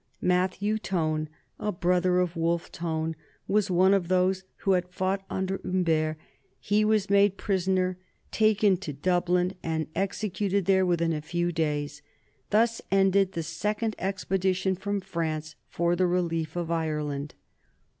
Matthew Tone, a brother of Wolfe Tone, was one of those who had fought under Humbert. He was made prisoner, taken to Dublin, and executed there within a few days. Thus ended the second expedition from France for the relief of Ireland.